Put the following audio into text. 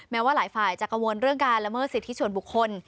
แม้ว่าหลายฝ่ายจะกังวลเรื่องการละเมิดสิทธิส่วนบุคคล